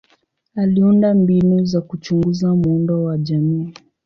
Aliunda mbinu za kuchunguza muundo wa jamii.